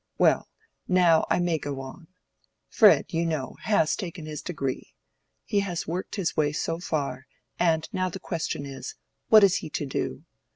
"Well, now I may go on. Fred, you know, has taken his degree. He has worked his way so far, and now the question is, what is he to do?